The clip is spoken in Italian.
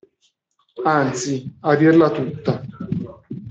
Anzi, a dirla tutta.